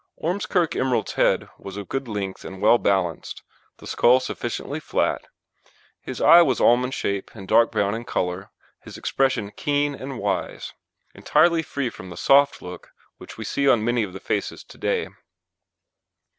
Ormskirk Emerald's head was of good length and well balanced, the skull sufficiently flat; his eye was almond shaped and dark brown in colour, his expression keen and wise, entirely free from the soft look which we see on many of the faces to day.